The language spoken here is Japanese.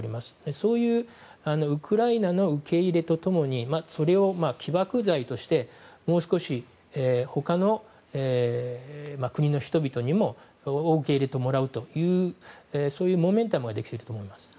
そういうウクライナの受け入れと共にそれを起爆剤としてもう少し、他の国の人々にも受け入れてもらうというモーメンタムもできていると思います。